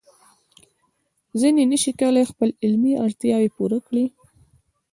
ځینې نشي کولای خپل علمي اړتیاوې پوره کړي.